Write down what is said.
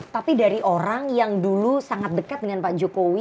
tapi dari orang yang dulu sangat dekat dengan pak jokowi